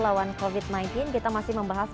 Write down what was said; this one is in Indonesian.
lawan covid sembilan belas kita masih membahas